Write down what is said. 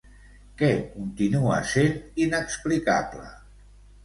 Què continua sent inexplicable?